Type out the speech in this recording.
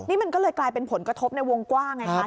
นี่มันก็เลยกลายเป็นผลกระทบในวงกว้างไงคะ